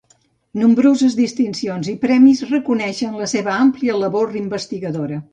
Nombroses distincions i premis reconeixen la seva àmplia labor investigadora.